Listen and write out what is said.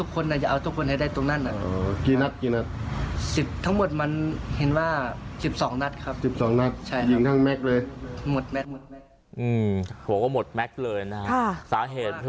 ผมบอกว่าหมดแมทเลยนะสาเหตุ